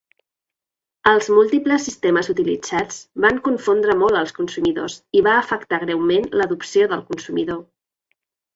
Els múltiples sistemes utilitzats van confondre molt els consumidors i va afectar greument l'adopció del consumidor.